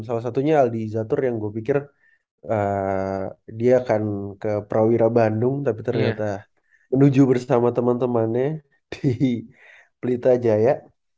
salah satunya aldi zator yang gue pikir dia akan ke prawira bandung tapi ternyata menuju bersama teman temannya di pelita jaya